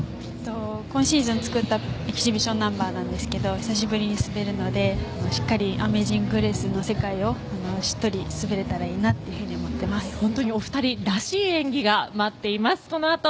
今シーズン、作ったエキシビションナンバーですけど久しぶりに滑るのでしっかり「アメイジング・グレイス」の世界をしっとり滑れたらいいなと本当にお二人らしい演技が待っています。